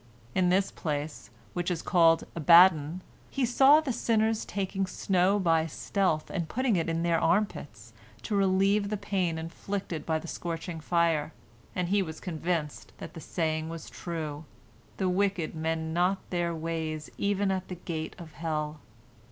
In this place, which is called Abaddon, he saw the sinners taking snow by stealth and putting it in their armpits, to relieve the pain inflicted by the scorching fire, and he was convinced that the saying was true, "The wicked mend not their ways even at the gate of hell."